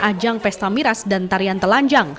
ajang pesta miras dan tarian telanjang